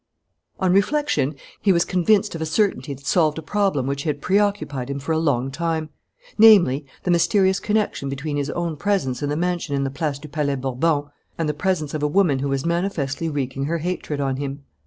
On reflection, he was convinced of a certainty that solved a problem which had preoccupied him for a long time namely, the mysterious connection between his own presence in the mansion in the Place du Palais Bourbon and the presence of a woman who was manifestly wreaking her hatred on him.